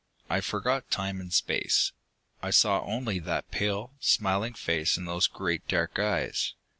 I forgot time and space. I saw only that pale, smiling face and those great dark eyes.